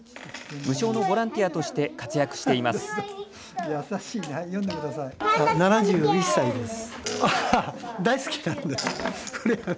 無償のボランティアとして活躍しています。